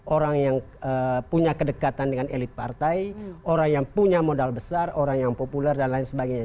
orang yang punya kedekatan dengan elit partai orang yang punya modal besar orang yang populer dan lain sebagainya